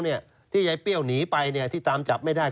ที่ยายเปรี้ยวหนีไปที่ตามจับไม่ได้